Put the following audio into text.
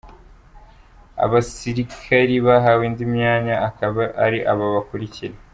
Abasirikali bahawe indi myanya akaba ari aba bakurikira: .